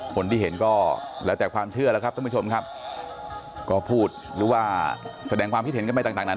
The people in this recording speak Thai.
คนที่เห็นก็แล้วแต่ความเชื่อแล้วครับท่านผู้ชมครับก็พูดหรือว่าแสดงความคิดเห็นกันไปต่างนั้น